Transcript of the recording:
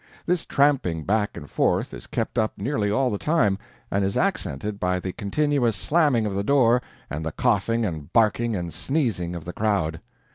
This tramping back and forth is kept up nearly all the time, and is accented by the continuous slamming of the door, and the coughing and barking and sneezing of the crowd.